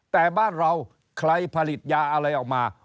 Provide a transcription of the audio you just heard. แต่บ้านเราใครผลิตยาอะไรออกมา